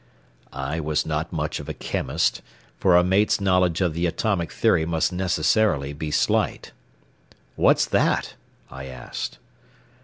I was not much of a chemist; for a mate's knowledge of the atomic theory must necessarily be slight. "What's that?" I asked.